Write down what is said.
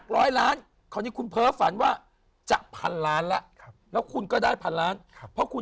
ร้อยล้านจากร้อยล้าน